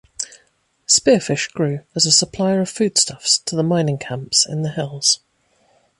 Spearfish grew as a supplier of foodstuffs to the mining camps in the hills.